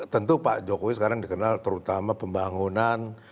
tentu pak jokowi sekarang dikenal terutama pembangunan